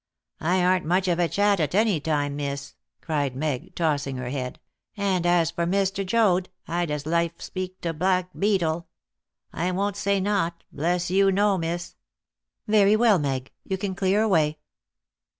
"I aren't much of a chat at any time, miss," cried Meg, tossing her head; "and as for Mr. Joad, I'd as lief speak to blackbeetle! I won't say naught, bless you, no, miss." "Very well, Meg. You can clear away."